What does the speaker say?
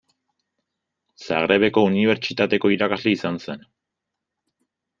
Zagrebeko unibertsitateko irakasle izan zen.